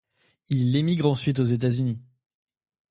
Il émigre ensuite aux États-Unis.